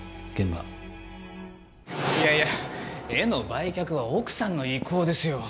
いやいや絵の売却は奥さんの意向ですよ。